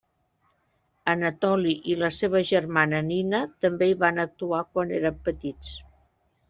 Anatoli i la seva germana Nina també hi van actuar quan eren petits.